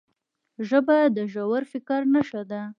ژبه د ژور فکر نښه ده